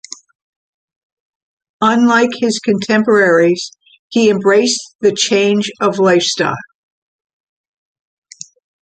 Unlike his contemporaries, he embraced the change of lifestyle.